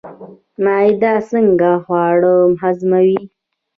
معده څنګه خواړه هضموي؟